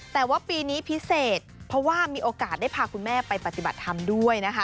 แต่ว่าปีนี้พิเศษเพราะว่ามีโอกาสได้พาคุณแม่ไปปฏิบัติธรรมด้วยนะคะ